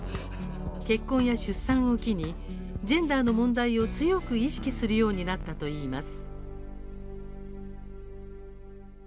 結婚や出産を機にジェンダーの問題を強く意識するようになったといいます。